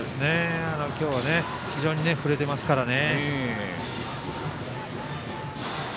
今日は非常に振れていますからね。